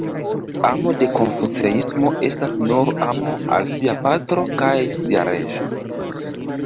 Amo de Konfuceismo estas nur amo al sia patro kaj sia reĝo.